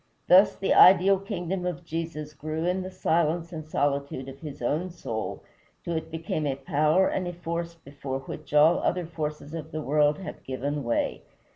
Thus the ideal kingdom of Jesus grew in the silence and solitude of his own soul till it became a power and a force before which all other forces of the world have given way.